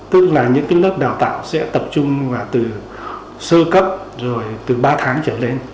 tức là những lớp đào tạo sẽ tập trung từ sơ cấp rồi từ ba tháng trở lên